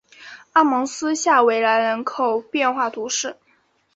阿芒斯下韦兰人口变化图示